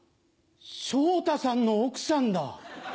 昇太さんの奥さんだ。